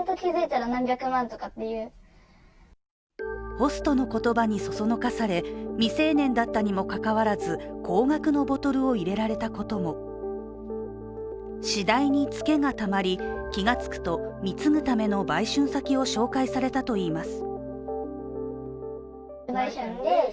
ホストの言葉にそそのかされ未成年だったにもかかわらず、高額のボトルを入れられたことも次第にツケがたまり、気がつくと貢ぐための売春先を紹介されたといいます。